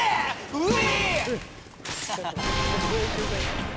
うわ！